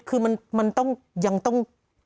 คือมันต้องยังต้อง